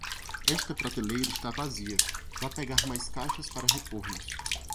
Esta prateleira está vazia, vá pegar mais caixas para repormos.